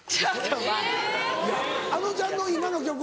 いやあのちゃんの今の曲。